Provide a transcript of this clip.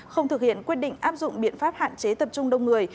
không thực hiện quyết định áp dụng biện pháp hạn chế tập trung đông người